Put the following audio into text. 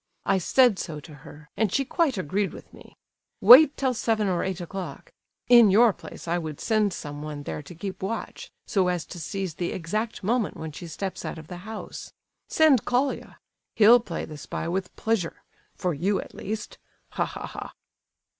I said so to her, and she quite agreed with me. Wait till seven or eight o'clock. In your place I would send someone there to keep watch, so as to seize the exact moment when she steps out of the house. Send Colia. He'll play the spy with pleasure—for you at least. Ha, ha, ha!"